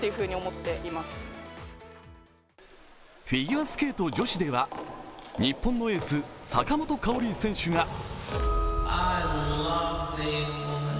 フィギュアスケート女子では日本のエース・坂本花織選手が。